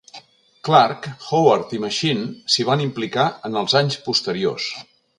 Clark, Howard i Machine s'hi van implicar en els anys posteriors.